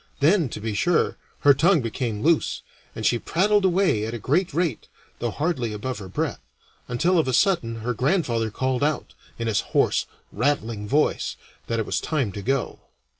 Then, to be sure, her tongue became loose, and she prattled away at a great rate, though hardly above her breath, until of a sudden her grandfather called out, in his hoarse, rattling voice, that it was time to go.